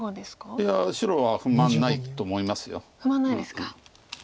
いや白は不満ないと思います。